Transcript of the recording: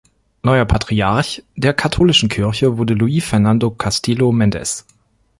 Neuer Patriarch der katholischen Kirche wurde Luis Fernando Castillo Mendez.